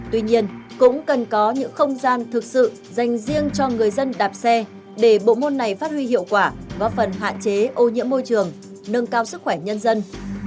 tuy nhiên cũng cần có những không gian thực sự dành riêng cho người dân đạp xe để bộ môn này phát huy hiệu quả góp phần hạn chế ô nhiễm môi trường nâng cao sức khỏe nhân dân